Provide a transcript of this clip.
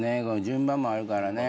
順番もあるからね。